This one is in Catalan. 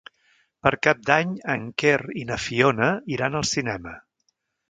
Per Cap d'Any en Quer i na Fiona iran al cinema.